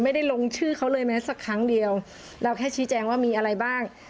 ไม่ได้ลงชื่อเขาเลยแม้สักครั้งเดียวเราแค่ชี้แจงว่ามีอะไรบ้าง